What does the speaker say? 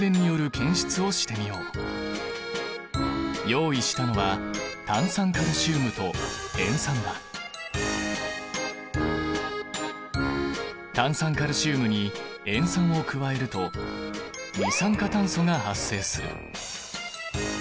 用意したのは炭酸カルシウムに塩酸を加えると二酸化炭素が発生する。